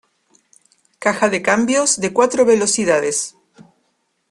Caja de cambios de cuatro velocidades.